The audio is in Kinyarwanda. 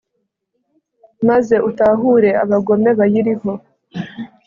maze utahure abagome bayiriho